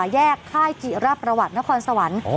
แยกค่ายจิรับประวัตินครสวรรค์